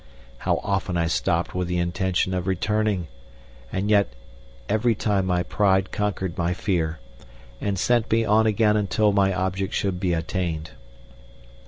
How often I stopped with the intention of returning, and yet every time my pride conquered my fear, and sent me on again until my object should be attained.